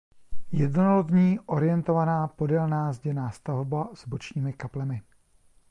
Jednolodní orientovaná podélná zděná stavba s bočními kaplemi.